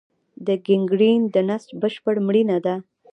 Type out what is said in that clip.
د ګینګرین د نسج بشپړ مړینه ده.